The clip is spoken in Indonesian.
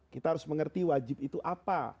kita harus mengerti wajib itu apa